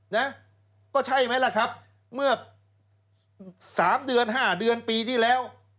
นะก็ใช่ไหมล่ะครับเมื่อ๓เดือน๕เดือนปีที่แล้ว